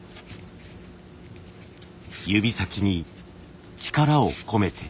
指先に力を込めて。